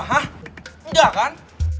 hah udah kan